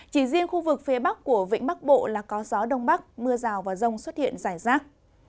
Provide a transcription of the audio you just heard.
chỉ riêng khu vực phía bắc của vĩnh bắc bộ là có gió đông bắc mưa rào và rông xuất hiện rải rác